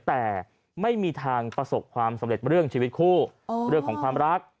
แต่ไม่มีทางประสบความสำเร็จเรื่องชีวิตคู่เรื่องของความรัก